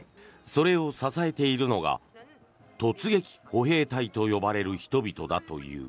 それを支えているのが突撃歩兵隊と呼ばれる人々だという。